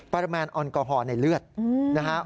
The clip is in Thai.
ปริมาณแอลกอฮอล์ในเลือดนะฮะ